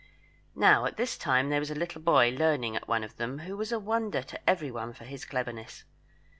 Now, at this time there was a little boy learning at one of them who was a wonder to everyone for his cleverness.